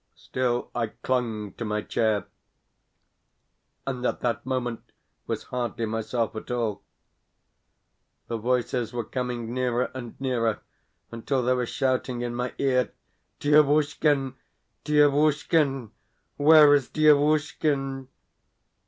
Still I clung to my chair and at that moment was hardly myself at all. The voices were coming nearer and nearer, until they were shouting in my ear: "Dievushkin! Dievushkin! Where is Dievushkin?"